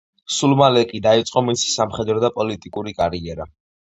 სულ მალე კი დაიწყო მისი სამხედრო და პოლიტიკური კარიერა.